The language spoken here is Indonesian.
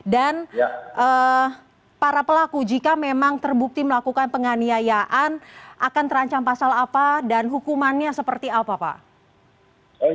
dan para pelaku jika memang terbukti melakukan penganiayaan akan terancam pasal apa dan hukumannya seperti apa pak